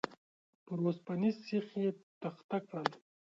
پر اوسپنيز سيخ يې تخته کړل.